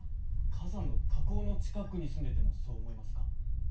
火山の火口の近くに住んでてもそう思いますか？